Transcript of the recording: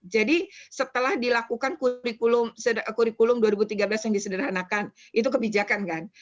jadi setelah dilakukan kurikulum dua ribu tiga belas yang disederhanakan itu kebijakan kan